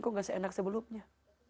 kok gak seenak sebelumnya